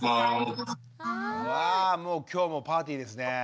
わあもう今日もパーティですね。